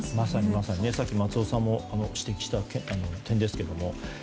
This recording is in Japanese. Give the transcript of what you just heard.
まさに、さっき松尾さんも指摘した点ですね。